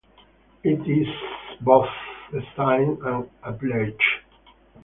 It is both a sign and pledge.